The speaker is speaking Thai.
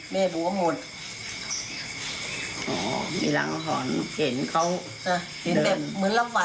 อ๋อมีรังหอนเห็นเขาเดิน